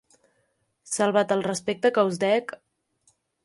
Salvat el respecte que us dec...